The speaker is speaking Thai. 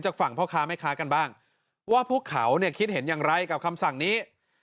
ฝั่งพ่อค้าแม่ค้ากันบ้างว่าพวกเขาเนี่ยคิดเห็นอย่างไรกับคำสั่งนี้